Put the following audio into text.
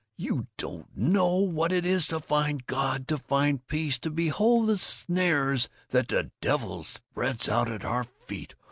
You don't know what it is to find God, to find peace, to behold the snares that the devil spreads out for our feet.